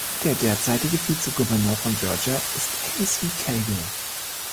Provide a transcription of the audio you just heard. Der derzeitige Vizegouverneur von Georgia ist Casey Cagle.